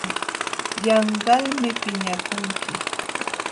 Yanqalmi piñakunki.